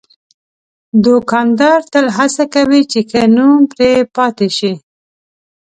دوکاندار تل هڅه کوي چې ښه نوم پرې پاتې شي.